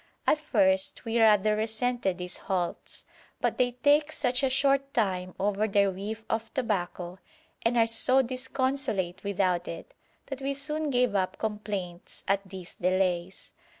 At first we rather resented these halts; but they take such a short time over their whiff of tobacco, and are so disconsolate without it, that we soon gave up complaints at these delays.